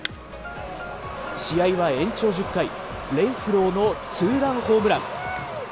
試合は延長１０回、レンフローのツーランホームラン。